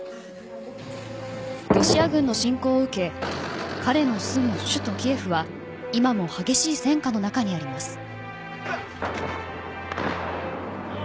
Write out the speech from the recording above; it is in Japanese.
ロシア軍の侵攻を受け彼の住む首都・キエフは今も激しい戦禍の中にあります。